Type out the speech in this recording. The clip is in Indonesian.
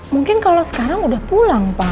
mungkin kalau sekarang udah pulang pak